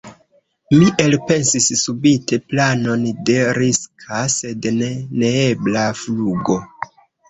Mi elpensis subite planon de riska, sed ne neebla fugo.